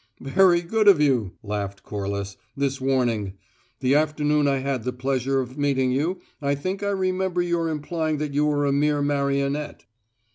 "Very good of you," laughed Corliss "this warning. The afternoon I had the pleasure of meeting you I think I remember your implying that you were a mere marionette."